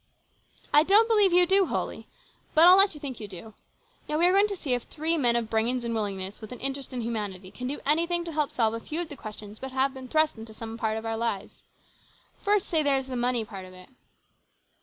" I don't believe you do wholly. But I'll let you think you do. Now, we are going to see if three men of brains and willingness, with an interest in humanity, can do anything to help solve a few of the questions that have been thrust into some of our own lives. First, say, there is the money part of it."